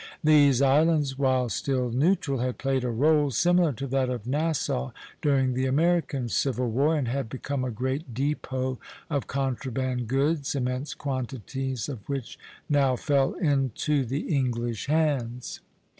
These islands, while still neutral, had played a rôle similar to that of Nassau during the American Civil War, and had become a great depot of contraband goods, immense quantities of which now fell into the English hands.